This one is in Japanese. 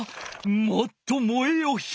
「もっと燃えよ火」！